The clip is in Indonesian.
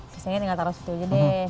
selesainya tinggal taruh situ aja deh